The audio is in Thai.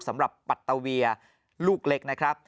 สำหรับปัตเตอร์เวียลูกเล็กนะครับ